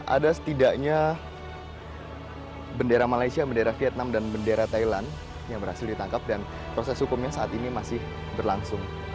ada setidaknya bendera malaysia bendera vietnam dan bendera thailand yang berhasil ditangkap dan proses hukumnya saat ini masih berlangsung